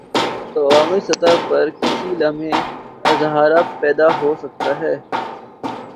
تو عوامی سطح پر کسی لمحے اضطراب پیدا ہو سکتا ہے۔